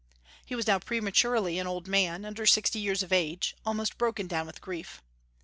He was now prematurely an old man, under sixty years of age, almost broken down with grief.